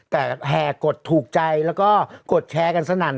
แต่แห่กดถูกใจแล้วก็กดแชร์กันสนั่น